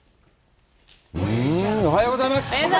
おはようございます。